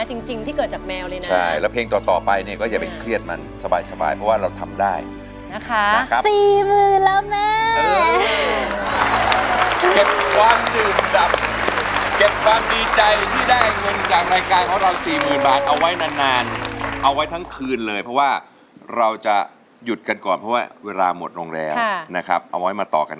จริงที่เกิดจากแมวเลยนะใช่แล้วเพลงต่อไปเนี้ยก็อย่าเป็นเครียดมัน